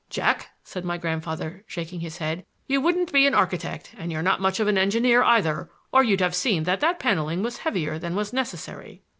"Jack," said my grandfather, shaking his head, "you wouldn't be an architect, and you're not much of an engineer either, or you'd have seen that that paneling was heavier than was necessary.